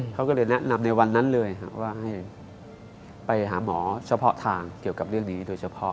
เขาก็เลยแนะนำในวันนั้นเลยว่าให้ไปหาหมอเฉพาะทางเกี่ยวกับเรื่องนี้โดยเฉพาะ